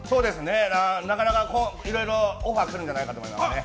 なかなか、いろいろオファー来るんじゃないかと思ってますね。